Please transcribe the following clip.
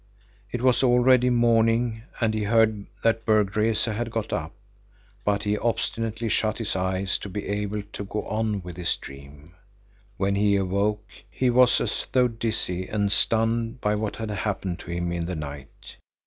It was already morning, and he heard that Berg Rese had got up, but he obstinately shut his eyes to be able to go on with his dream. When he awoke, he was as though dizzy and stunned by what had happened to him in the night.